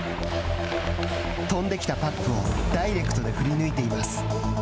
飛んできたパックをダイレクトで振り抜いています。